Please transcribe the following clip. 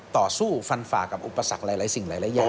ต่อสู้ฟันฝ่ากับอุปสรรคหลายสิ่งหลายอย่าง